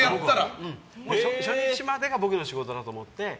初日までが僕の仕事だと思って。